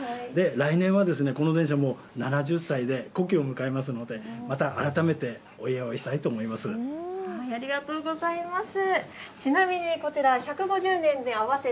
来年はこの電車も７０歳でまた改めてお祝いしたいと思います。